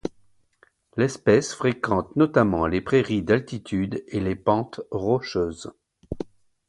L'espèce fréquente notamment les prairies d'altitudes et les pentes rocheuses.